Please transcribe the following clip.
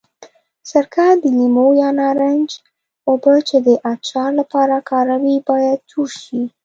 سرکه، د لیمو یا نارنج اوبه چې د اچار لپاره کاروي باید جوش شي.